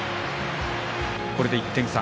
これで１点差。